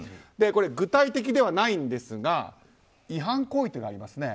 具体的ではないんですが違反行為とありますね。